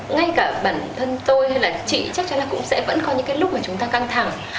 ngay cả bản thân tôi hay là chị chắc chắn là cũng sẽ vẫn có những cái lúc mà chúng ta căng thẳng